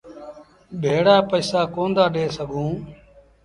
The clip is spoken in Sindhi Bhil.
ڀيڙآ پئيٚسآ ڪونا دآ ڏي سگھون۔